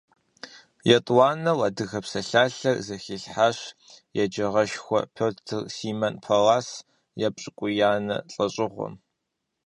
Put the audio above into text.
ЕтӀуанэу адыгэ псалъалъэр зэхилъхьащ еджагъэшхуэ Пётр Симон Паллас епщыкӀуиянэ лӀэщӀыгъуэм.